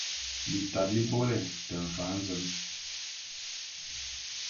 Bita bi bôle te mfan zen !